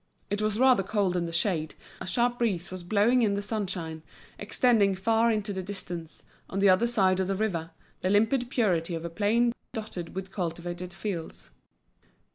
It was rather cold in the shade, a sharp breeze was blowing in the sunshine, extending far into the distance, on the other side of the river, the limpid purity of a plain dotted with cultivated fields.